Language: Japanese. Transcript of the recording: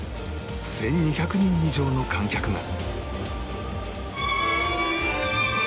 １２００人以上の観客が